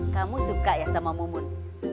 kamu suka ya sama mumun